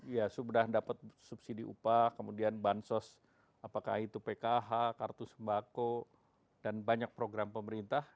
ya sudah dapat subsidi upah kemudian bansos apakah itu pkh kartu sembako dan banyak program pemerintah